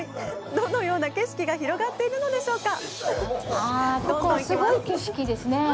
どのような景色が広がっているのでしょうか？